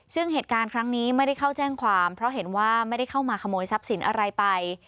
ซึ่งเหตุการณ์ครั้งนี้ไม่ได้เข้าแจ้งความเพราะเห็นว่าไม่ได้เข้ามาขโมยทรัพย์สินอะไรไป